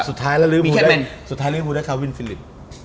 สุดท้ายลืมวูด้าคาวินฟิลิป